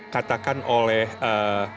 katakan oleh muscle